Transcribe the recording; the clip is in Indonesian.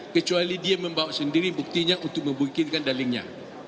kecuali dia membawa sendiri buktinya untuk memungkinkan dalinya